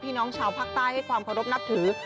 พี่น้องชาวปักตายให้ความขอบนับถือ